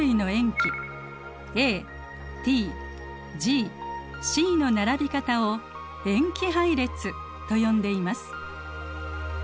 ＡＴＧＣの並び方を塩基配列と呼んでいます。